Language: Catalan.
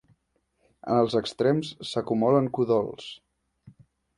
En els extrems s'acumulen cudols.